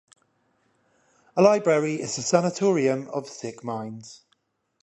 A library is a sanatorium of sick minds.